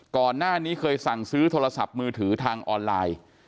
ก่อนหน้านี้เคยสั่งซื้อโทรศัพท์มือถือทางออนไลน์